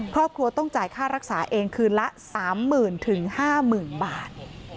ครอบครัวต้องจ่ายค่ารักษาเองคืนละ๓๐๐๐๕๐๐๐บาท